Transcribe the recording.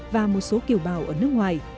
và một số kiều bào ở nước ngoài